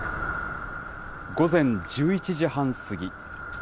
午前１１時半過ぎ。